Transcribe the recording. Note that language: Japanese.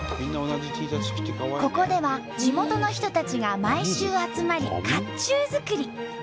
ここでは地元の人たちが毎週集まり甲冑作り。